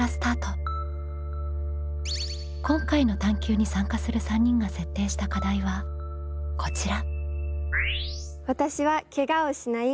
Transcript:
今回の探究に参加する３人が設定した課題はこちら。